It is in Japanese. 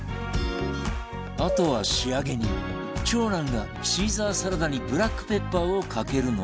あとは仕上げに長男がシーザーサラダにブラックペッパーをかけるのだが